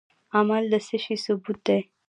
عمل د څه شي ثبوت دی؟